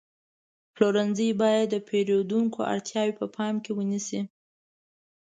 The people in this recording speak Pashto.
پلورنځی باید د پیرودونکو اړتیاوې په پام کې ونیسي.